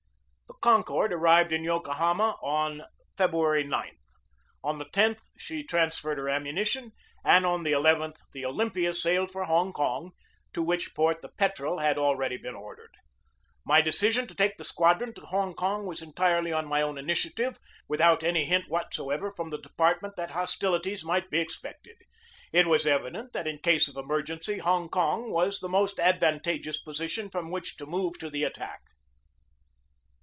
The Concord arrived in Yokohama on February 9. On the loth she transferred her ammunition, and on the nth the Olympia sailed for Hong Kong, to which port the Petrel had already been ordered. My decision to take the squadron to Hong Kong was entirely on my own initiative, without any hint what soever from the department that hostilities might be expected. It was evident that in case of emer gency Hong Kong was the most advantageous posi tion from which to move to the attack.